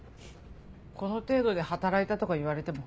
この程度で「働いた」とか言われても。